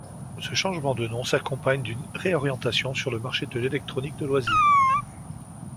Ce changement de nom s'accompagne d'une réorientation sur le marché de l'électronique de loisirs.